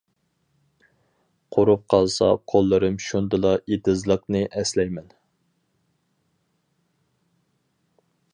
قۇرۇپ قالسا قوللىرىم شۇندىلا ئېتىزلىقنى ئەسلەيمەن.